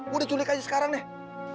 udah culik aja sekarang deh